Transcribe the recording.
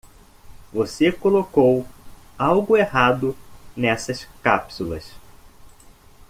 Você colocou algo errado nessas cápsulas.